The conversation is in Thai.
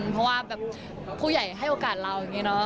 เพราะว่าแบบผู้ใหญ่ให้โอกาสเตียงเรา